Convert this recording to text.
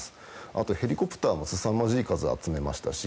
あとヘリコプターもすさまじい数集めましたし